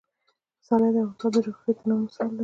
پسرلی د افغانستان د جغرافیوي تنوع مثال دی.